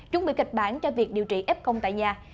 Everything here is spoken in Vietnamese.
chuẩn bị kịch bản cho việc điều trị f tại nhà